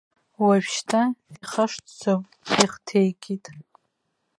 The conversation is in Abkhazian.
Уажәшьҭа ихашҭӡом, ихҭеикит.